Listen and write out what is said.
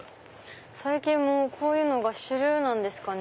最近こういうのが主流なんですかね。